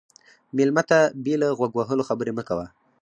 مېلمه ته بې له غوږ وهلو خبرې مه کوه.